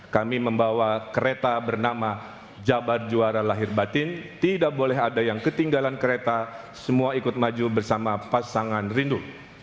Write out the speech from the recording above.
kami membawa kereta bernama jabar juara lahir batin tidak boleh ada yang ketinggalan kereta semua ikut maju bersama pasangan rindu